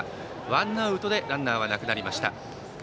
ワンアウトでランナーはなくなりました。